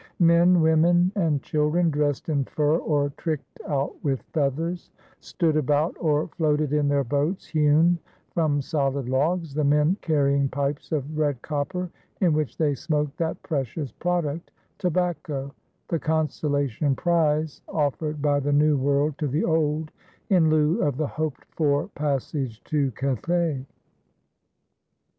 Men, women, and children, dressed in fur or tricked out with feathers, stood about or floated in their boats hewn from solid logs, the men carrying pipes of red copper in which they smoked that precious product, tobacco the consolation prize offered by the New World to the Old in lieu of the hoped for passage to Cathay.